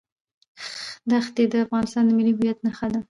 ښتې د افغانستان د ملي هویت نښه ده.